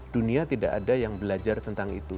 dunia tidak ada yang belajar tentang itu